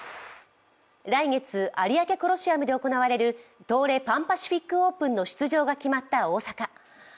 来月、有明コロシアムで行われる東レ・パン・パシフィックオープンの出場が決まった大坂。